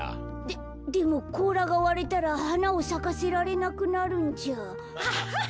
ででもこうらがわれたらはなをさかせられなくなるんじゃ。